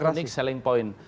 jadi ada unik selling point